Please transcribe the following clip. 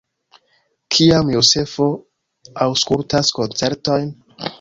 Kiam Jozefo aŭskultas koncertojn?